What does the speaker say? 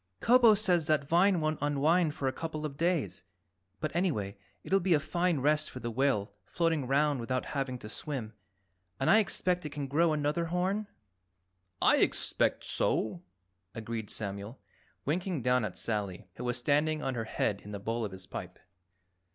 "Kobo says that vine won't unwind for a couple of days, but anyway it'll be a fine rest for the whale floating around without having to swim. And I expect it can grow another horn?" "I expect so," agreed Samuel, winking down at Sally, who was standing on her head in the bowl of his pipe.